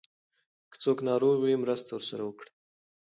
که څوک ناروغ وي مرسته ورسره وکړئ.